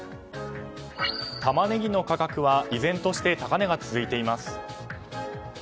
タマネギの価格は依然として高値が続いています。